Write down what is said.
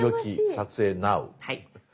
撮影ナウ！」。